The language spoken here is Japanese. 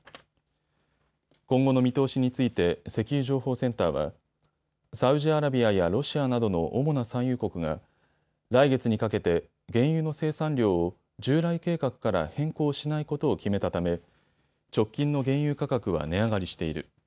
今後の見通しについて石油情報センターはサウジアラビアやロシアなどの主な産油国が来月にかけて原油の生産量を従来計画から変更しないことを決めたため直近の原油価格は値上がりしている。